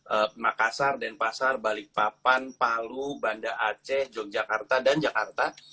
eh makassar denpasar balikpapan palu banda aceh yogyakarta dan jakarta